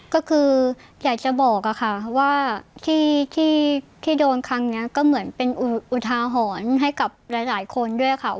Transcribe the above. ก็คืออยากจะบอกค่ะว่าที่โดนครั้งนี้ก็เหมือนเป็นอุทาหรณ์ให้กับหลายคนด้วยค่ะ